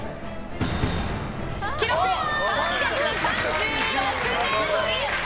記録３３６ｍ！